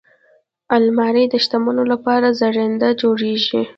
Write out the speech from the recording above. الماري د شتمنو لپاره زرینده جوړیږي